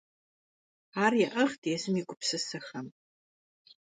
Ар яӏыгът езым и гупсысэхэм…